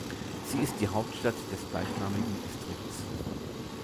Sie ist die Hauptstadt des gleichnamigen Distrikts.